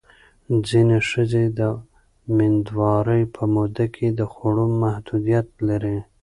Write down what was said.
ځینې ښځې د مېندوارۍ په موده کې د خوړو محدودیت لري.